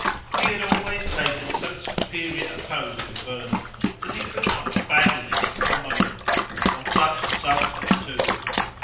He had always taken so superior a pose with Vernon that he could not abandon it for a moment: on such a subject too!